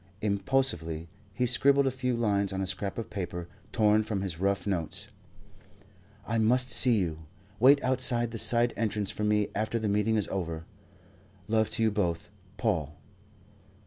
Impulsively he scribbled a few lines on a scrap of paper torn from his rough notes: "I must see you. Wait outside the side entrance for me after the meeting is over. Love to you both. Paul."